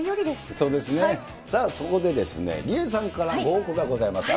そうですね、さあそこで、理恵さんからご報告がございます。